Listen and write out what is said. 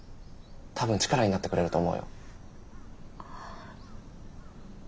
多分力になってくれると思うよ。